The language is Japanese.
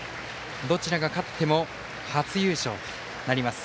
どちらが勝っても初優勝となります。